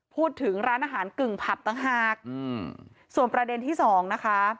พูดถึงร้านอาหารกึ่งผับต่างหากอืมส่วนประเด็นที่สองนะคะ